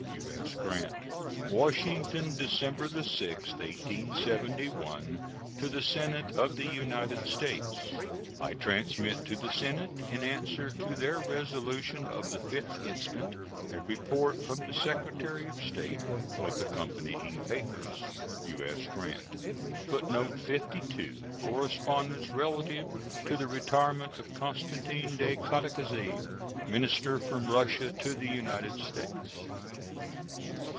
U.S. GRANT. WASHINGTON, December 6, 1871. To the Senate of the United States: I transmit to the Senate, in answer to their resolution of the 5th instant, a report from the Secretary of State, with accompanying papers. U.S. GRANT. [Footnote 52: Correspondence relative to the retirement of Constantin de Catacazy, minister from Russia to the United States.